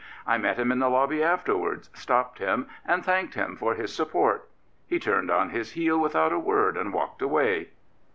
I met him in the lobby after wards, stopped him, and thanked him for his sup port. He turned on his heel without a word and walked away.